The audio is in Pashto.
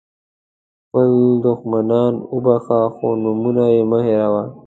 خپل دښمنان وبخښه خو نومونه یې مه هېروه.